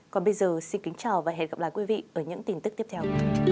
còn bây giờ xin kính chào và hẹn gặp lại quý vị ở những tin tức tiếp theo